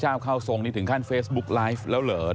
เรียกมานี่คือใครบ้าง